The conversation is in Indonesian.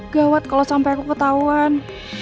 gawat kalau sampai aku ketahuan